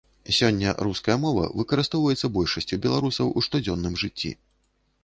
Сёння руская мова выкарыстоўваецца большасцю беларусаў у штодзённым жыцці.